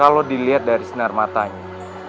kalau dilihat dari sinar matanya